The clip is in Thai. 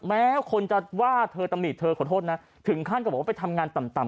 แม้คนจะว่าเธอตำหนิเธอขอโทษนะถึงขั้นก็บอกว่าไปทำงานต่ำ